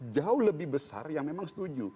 jauh lebih besar yang memang setuju